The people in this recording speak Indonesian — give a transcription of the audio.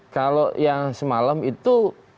kalau yang semalam itu